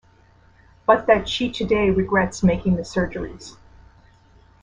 But that she today regrets making the surgeries.